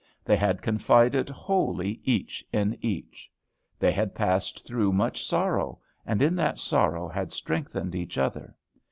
They had confided wholly each in each. They had passed through much sorrow, and in that sorrow had strengthened each other.